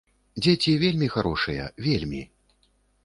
Дзеці вельмі харошыя, вельмі.